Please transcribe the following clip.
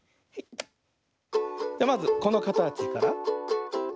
じゃまずこのかたちから。